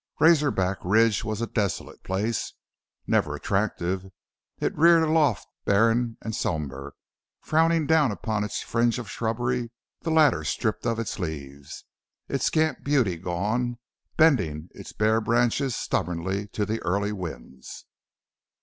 Razor Back ridge was a desolate place. Never attractive, it reared aloft barren and somber, frowning down upon its fringe of shrubbery the latter stripped of its leaves, its scant beauty gone and bending its bare branches stubbornly to the early winds.